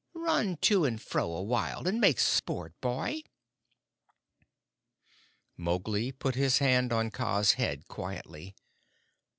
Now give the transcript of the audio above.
Run to and fro a while, and make sport, boy!" Mowgli put his hand on Kaa's head quietly.